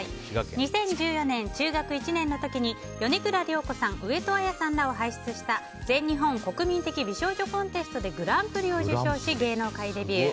２０１４年、中学１年の時に米倉涼子さん、上戸彩さんらを輩出した全日本国民的美少女コンテストでグランプリを受賞し芸能界デビュー。